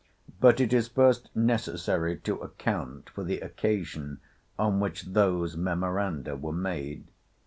But it is first necessary to account for the occasion on which those memoranda were made.